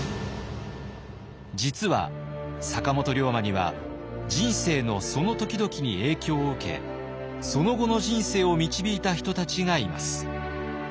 実は坂本龍馬には人生のその時々に影響を受けその後の人生を導いた人たちがいます。